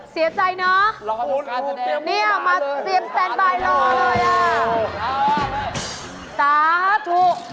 เสียใจนะนี่มาเตรียมสแตนต์ไบรอเลยอ้าว